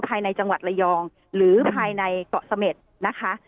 ภายในจังหวัดระยองหรือภายในเกาะเสม็ดนะคะ